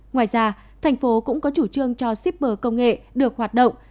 ngoài ra thành phố cũng có chủ trương cho shipper công nghệ được hoạt động